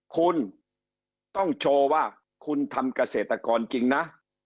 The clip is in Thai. คุณต้องโชว์ว่าคุณทำเกษตรกรจริงนะ